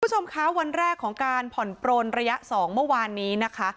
คุณผู้ชมคะวันแรกของการผ่อนปลนระยะ๒เมื่อวานนี้นะคะ